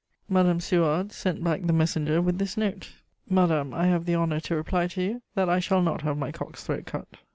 Madame Suard sent back the messenger with this note: "Madame, I have the honour to reply to you that I shall not have my cock's throat cut."